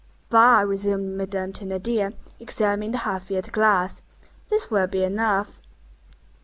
"Bah!" resumed Madame Thénardier, examining the half filled glass, "this will be enough."